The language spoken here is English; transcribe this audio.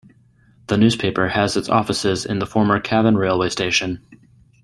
The newspaper has its offices in the former Cavan railway station.